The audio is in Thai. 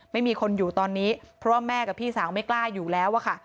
ไม่มีคนอยู่ตอนนี้เพราะว่าแม่กับพี่สาวไม่กล้าอยู่แล้วอะค่ะ